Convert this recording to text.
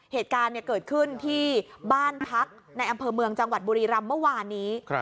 เหตุการณ์เกิดขึ้นที่บ้านพักในอำเภอเมืองจังหวัดบุรีรำเมื่อวานนี้